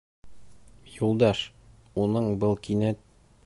Юлдаш, уның был кинәт